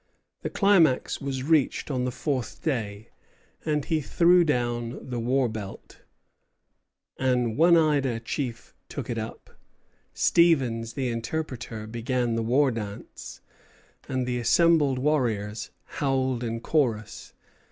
The climax was reached on the fourth day, and he threw down the war belt. An Oneida chief took it up; Stevens, the interpreter, began the war dance, and the assembled warriors howled in chorus.